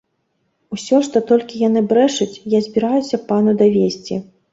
Усё, што толькі яны брэшуць, я збіраюся пану давесці!